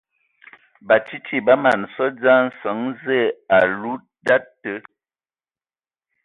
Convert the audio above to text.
Batsidi a mana hm sɔ dzyē a nsəŋ Zǝə a ludǝtu.